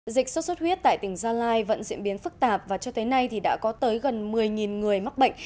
dịch sốt xuất huyết tại tỉnh gia lai vẫn diễn biến phức tạp và cho tới nay đã có tới gần một mươi người mắc bệnh